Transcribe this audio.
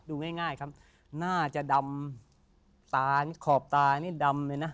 ดูง่ายครับหน้าจะดำตานขอบตานี่ดำเลยนะ